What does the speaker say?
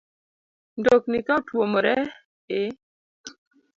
Mtokni ka otuomore, l